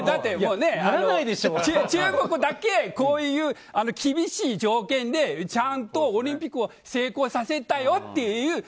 中国だけ、こういう厳しい条件でちゃんとオリンピックを成功させたよっていう。